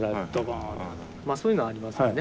まあそういうのはありますよね。